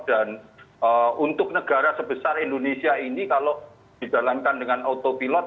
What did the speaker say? dan untuk negara sebesar indonesia ini kalau dijalankan dengan autopilot